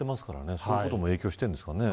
そういうことも影響しているんですかね。